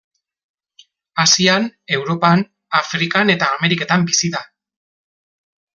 Asian, Europan, Afrikan eta Ameriketan bizi da.